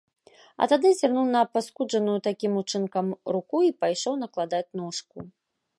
А тады зірнуў на апаскуджаную такім учынкам руку і пайшоў накладаць ношку.